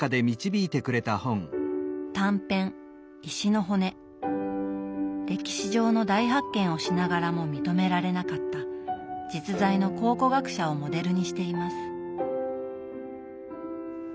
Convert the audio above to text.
短編歴史上の大発見をしながらも認められなかった実在の考古学者をモデルにしています。